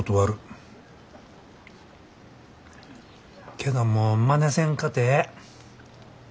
けどもうまねせんかてええ。